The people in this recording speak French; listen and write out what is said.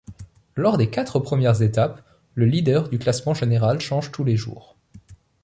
Lors des quatre premières étapes, le leader du classement général change tous les jours.